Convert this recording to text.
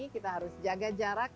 kita harus jaga jarak